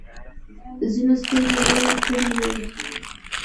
ځینو سترګې رنګ کړې وي.